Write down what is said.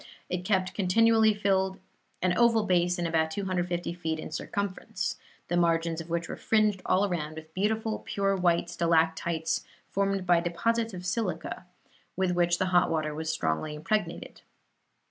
It kept continually filled an oval basin about 250 feet in circumference the margins of which were fringed all round with beautiful pure white stalactites, formed by deposits of silica, with which the hot water was strongly impregnated.